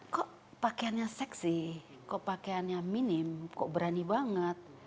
kok pakaiannya seksi kok pakaiannya minim kok berani banget